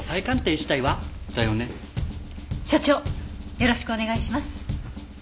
よろしくお願いします。